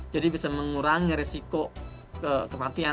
jadi bisa mengurangi resiko kematian